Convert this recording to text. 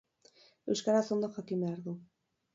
Euskaraz ondo jakin behar du.